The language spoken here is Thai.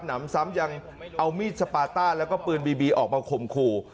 นำซ้ำยังเอามีดสปาต้าแล้วก็ปืนบีบีออกมาข่มขู่